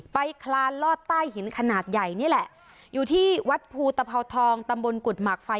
คลานลอดใต้หินขนาดใหญ่นี่แหละอยู่ที่วัดภูตภาวทองตำบลกุฎหมากไฟ